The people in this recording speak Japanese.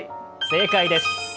正解です。